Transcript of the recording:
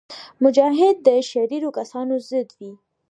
مجاهد د شریرو کسانو ضد وي.